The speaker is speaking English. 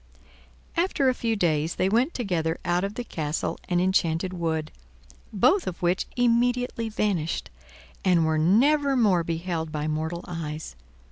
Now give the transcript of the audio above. After a few days they went together out of the castle and enchanted wood, both of which immediately vanished, and were nevermore beheld by mortal eyes.